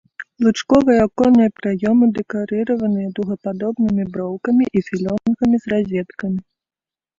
Лучковыя аконныя праёмы дэкарыраваны дугападобнымі броўкамі і філёнгамі з разеткамі.